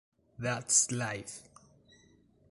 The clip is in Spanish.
That's life!